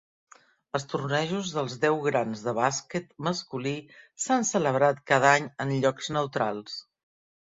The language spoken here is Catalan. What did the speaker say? Els tornejos dels Deu Grans de bàsquet masculí s'han celebrat cada any en llocs neutrals.